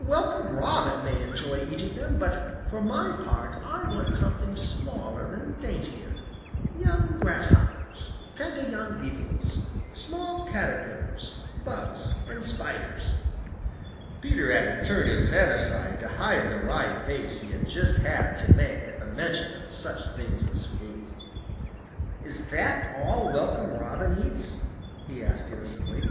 "Welcome Robin may enjoy eating them, but for my part I want something smaller and daintier, young grasshoppers, tender young beetles, small caterpillars, bugs and spiders." Peter had to turn his head aside to hide the wry face he just had to make at the mention of such things as food. "Is that all Welcome Robin eats?" he asked innocently.